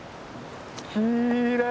きれい！